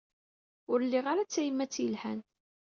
Ur lliɣ ara d tayemmat yelhan.